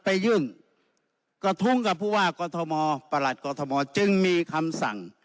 ไปยื่นกระทุ้งกับผู้ว่ากอทมประหลัดกอทมจึงมีคำสั่ง